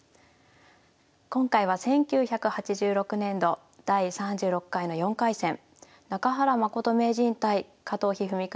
今回は１９８６年度第３６回の４回戦中原誠名人対加藤一二三九